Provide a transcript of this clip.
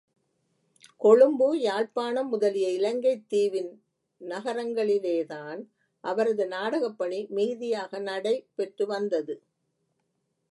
கொழும்பு, யாழ்ப்பாணம் முதலிய இலங்கைத் தீவின் நகரங்களிலேதான் அவரது நாடகப்பணி மிகுதியாக நடை பெற்று வந்தது.